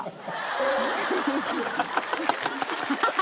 ハハハハ！